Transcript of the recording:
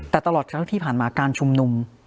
แต่ตลอดทั้งที่ผ่านมาการชุมนุม